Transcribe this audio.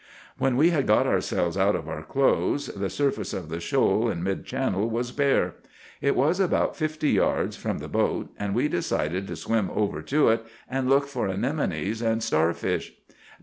"When we had got ourselves out of our clothes, the surface of the shoal in mid channel was bare. It was about fifty yards from the boat, and we decided to swim over to it and look for anemones and starfish.